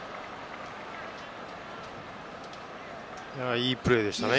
いいプレーでしたね